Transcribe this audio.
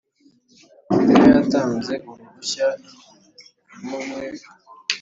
Ni yo yatanze uruhushya rw'umwe